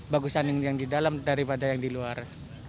bagusan yang di dalam daripada yang di luar